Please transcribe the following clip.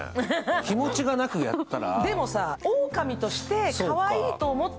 気持ちがなくやったら。